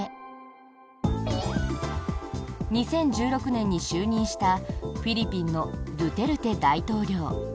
２０１６年に就任したフィリピンのドゥテルテ大統領。